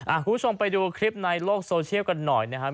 คุณผู้ชมไปดูคลิปในโลกโซเชียลกันหน่อยนะครับ